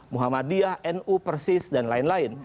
muhammadiyah nu persis dan lain lain